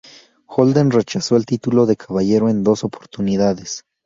Holden rechazó el título de caballero en dos oportunidades.